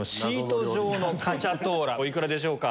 お幾らでしょうか？